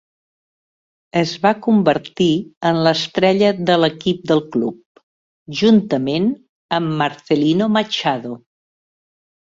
Es va convertir en l"estrella de l"equip del club, juntament amb Marcelinho Machado.